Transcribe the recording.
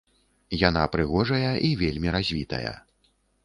Яна прыгожая і вельмі развітая.